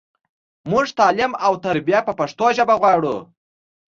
مونږ تعلیم او تربیه په پښتو ژبه غواړو